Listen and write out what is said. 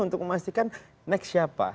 untuk memastikan next siapa